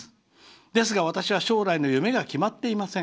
ですが、私は将来の夢が決まっていません。